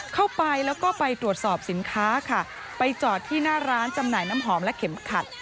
เข้าไปแล้วก็ไปตรวจสอบสินค้าค่ะไปจอดที่หน้าร้านจำหน่ายน้ำหอมและเข็มขัด